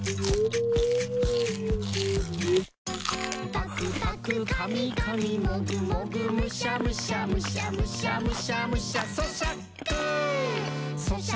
「パクパクかみかみもぐもぐむしゃむしゃ」「むしゃむしゃむしゃむしゃ」